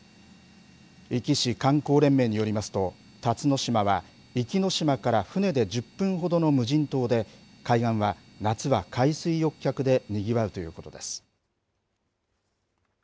壱岐市観光連盟によりますと、辰ノ島は、壱岐島から船で１０分ほどの無人島で、海岸は夏は海水浴客でにぎわうということです。